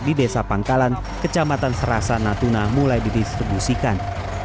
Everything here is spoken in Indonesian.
di desa pangkalan kecamatan serasa natuna mulai didistribusikan